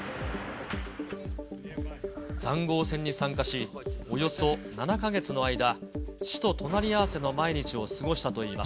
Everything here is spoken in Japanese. ざんごう戦に参加し、およそ７か月の間、死と隣り合わせの毎日を過ごしたといいます。